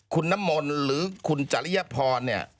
คุณน้ำมนต์หรือคุณจริยพรเนี่ย